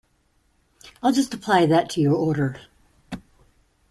I'll just apply that to your order.